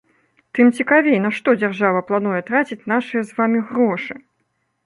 Тым цікавей, на што дзяржава плануе траціць нашыя з вамі грошы!